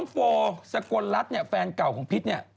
โฟสกลรัฐเนี่ยแฟนเก่าของพิษเนี่ย